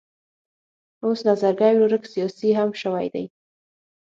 اوس نظرګی ورورک سیاسي هم شوی دی.